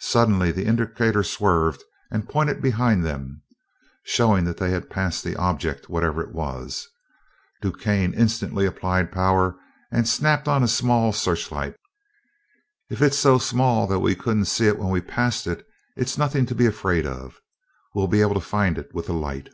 Suddenly the indicator swerved and pointed behind them, showing that they had passed the object, whatever it was. DuQuesne instantly applied power and snapped on a small searchlight. "If it's so small that we couldn't see it when we passed it, it's nothing to be afraid of. We'll be able to find it with a light."